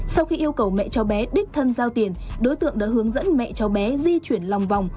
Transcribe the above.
sau khi yêu cầu mẹ cháu bé đích thân giao tiền đối tượng đã hướng dẫn mẹ cháu bé di chuyển lòng vòng